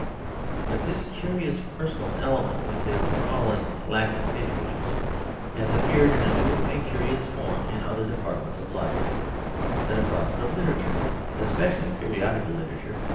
But this curious personal element, with its appalling lack of patriotism, has appeared in a new and curious form in another department of life; the department of literature, especially periodical literature.